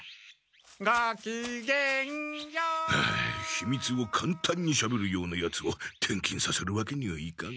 「ごきげんよう」ひみつをかんたんにしゃべるようなヤツを転勤させるわけにはいかん。